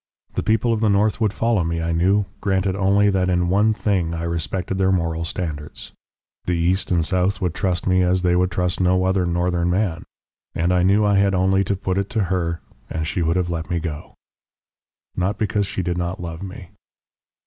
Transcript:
The people of the north would follow me, I knew, granted only that in one thing I respected their moral standards. The east and south would trust me as they would trust no other northern man. And I knew I had only to put it to her and she would have let me go.... Not because she did not love me!